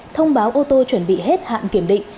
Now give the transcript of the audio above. thông báo ô tô chuẩn bị hết hạn kiểm định